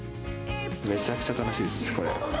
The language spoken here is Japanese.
めちゃくちゃ楽しいです、これ。